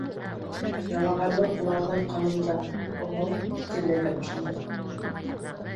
Ялағайлыҡ уларҙың ҡаныңда....Оһо, тирләй ҙә башланылар!